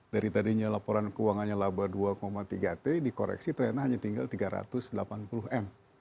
dari tadinya laporan keuangannya laba dua tiga t dikoreksi ternyata hanya tinggal tiga ratus delapan puluh m